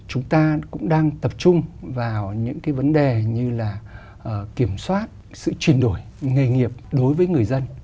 chúng ta cũng đang tập trung vào những cái vấn đề như là kiểm soát sự chuyển đổi nghề nghiệp đối với người dân